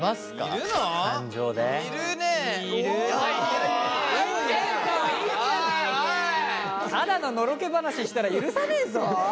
ただののろけ話したら許さねえぞ。